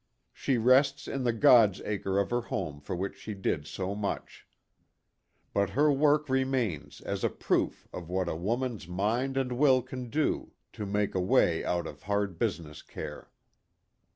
She rests in the " God's acre " of her home for which she did so much. PLAY AND WORK. 89 But her work remains as a proof of what a woman's mind and will can do to make a way out of hard business care.